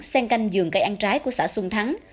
sen canh giường cây ăn trái của xã xuân thắng